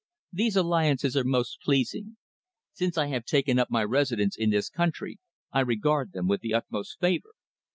These alliances are most pleasing. Since I have taken up my residence in this country, I regard them with the utmost favour.